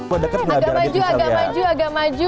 agak maju agak maju agak maju